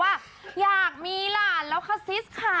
ว่าอยากมีหลานแล้วค่ะสิสซ่ะค่ะ